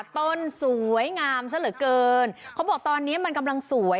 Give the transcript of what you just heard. ต้นสวยงามซะเหลือเกินเขาบอกตอนนี้มันกำลังสวย